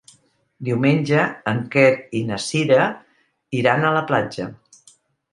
Diumenge en Quer i na Cira iran a la platja.